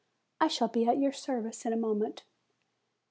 I shall be at your service in a moment."